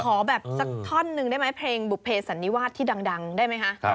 ขอแบบสักท่อนหนึ่งได้ไหมเพลงบุภเพสันนิวาสที่ดังได้ไหมคะ